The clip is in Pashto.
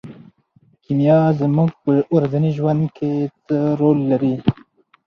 کیمیا زموږ په ورځني ژوند کې څه رول لري.